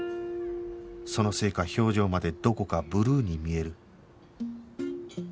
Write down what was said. そのせいか表情までどこかブルーに見える